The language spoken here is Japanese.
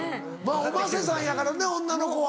おませさんやからね女の子は。